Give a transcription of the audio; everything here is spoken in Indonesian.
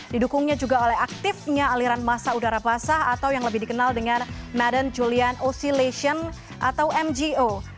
didukungnya juga oleh aktifnya aliran masa udara basah atau yang lebih dikenal dengan naden julian oscilation atau mgo